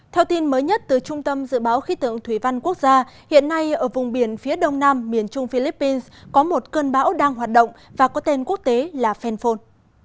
theo tin mới nhất từ trung tâm dự báo khí tượng thủy văn quốc gia hiện nay ở vùng biển phía đông nam miền trung philippines có một cơn bão đang hoạt động và có tên quốc tế là phenphon